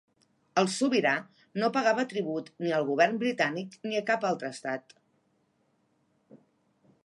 El sobirà no pagava tribut ni al govern britànic ni a cap altre estat.